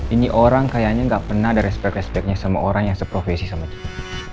ini orang kayaknya gak pernah ada respect respectnya sama orang yang seprofesi sama kita